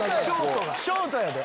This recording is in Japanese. ショートやで。